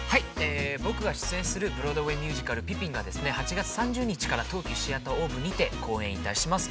◆僕が出演するブロードウェイミュージカル「ピピン」がですね、８月３０日から東急シアターオーブにて、公演いたします。